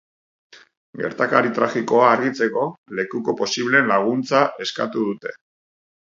Gertakari tragikoa argitzeko, lekuko posibleen laguntza eskatu dute.